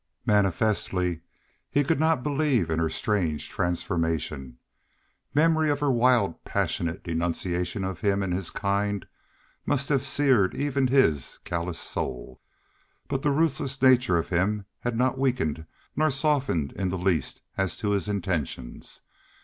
Manifestly he could not believe in her strange transformation. Memory of her wild and passionate denunciation of him and his kind must have seared even his calloused soul. But the ruthless nature of him had not weakened nor softened in the least as to his intentions.